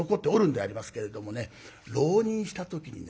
浪人した時にね